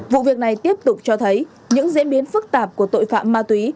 vụ việc này tiếp tục cho thấy những diễn biến phức tạp của tội phạm ma túy